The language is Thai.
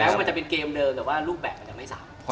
แม้ว่ามันจะเป็นเกมเดิมแต่ว่าลูกแบบมันจะไม่สามารถ